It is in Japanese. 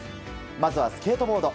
まずはスケートボード。